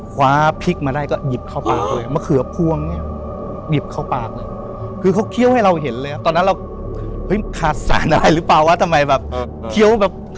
คว้าพริกมาได้ก็ยิบเข้าปากเลย